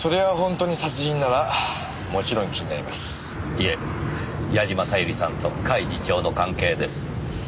いえ矢嶋小百合さんと甲斐次長の関係です。